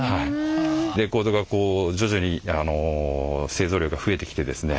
レコードがこう徐々に製造量が増えてきてですね